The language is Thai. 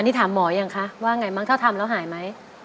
อันนี้ถามหมอยังคะว่าอย่างไรมั้งเท่าทำแล้วหายไหม